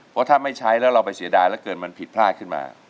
เพราะถ้าไม่ใช้แล้วเราไปเสียดายเหลือเกินมันผิดพลาดขึ้นมา